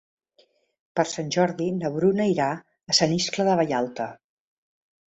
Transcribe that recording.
Per Sant Jordi na Bruna irà a Sant Iscle de Vallalta.